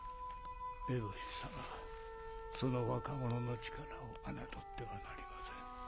エボシ様その若者の力を侮ってはなりません。